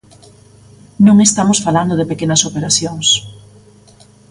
Non estamos falando de pequenas operacións.